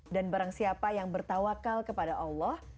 dan barang siapa yang bertawakal kepada allah